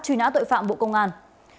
truy nã tội phạm bộ công an